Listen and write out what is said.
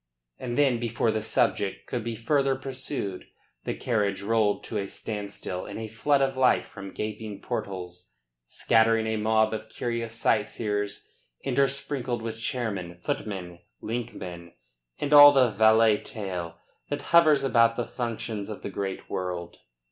And then before the subject could be further pursued the carriage rolled to a standstill in a flood of light from gaping portals, scattering a mob of curious sight seers intersprinkled with chairmen, footmen, linkmen and all the valetaille that hovers about the functions of the great world.